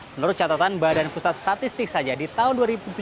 menurut catatan badan pusat statistik saja di tahun dua ribu tujuh belas